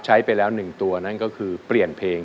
ใช้ไปแล้ว๑ตัวนั่นก็คือเปลี่ยนเพลง